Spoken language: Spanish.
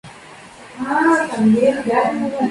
Barnechea avanza a la tercera fase.